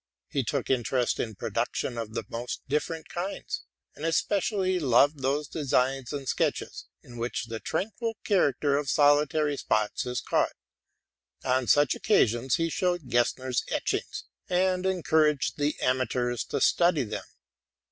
He took interest in productions of the most different kinds, and especially loved those designs and sketches in which the tranquil character of solitary spots is 182 TRUTH AND FICTION caught. On such occasions he showed Gesner's etchings, and encouraged the amateurs to study them.